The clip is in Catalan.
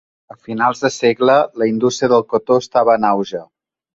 A finals de segle, la indústria del cotó estava en auge.